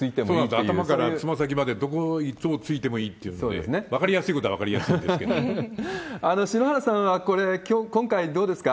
頭からつま先まで、どこを突いてもいいってもので、分かりやすいことは分かりやすい篠原さんはこれ、今回どうですか？